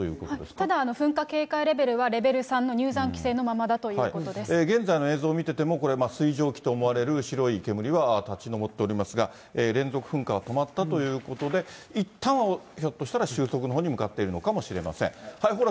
ただ、噴火警戒レベルはレベル３の入山規制のままだというこ現在の映像を見てても、これ、水蒸気と思われる白い煙は立ち上っておりますが、連続噴火は止まったということで、いったんは、ひょっとしたら収束のほうに向かっているのかもしれません。